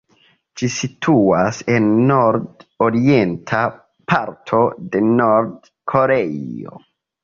Ĝi situas en nord-orienta parto de Nord-Koreio.